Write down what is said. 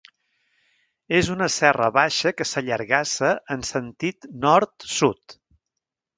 És una serra baixa que s'allargassa en sentit nord-sud.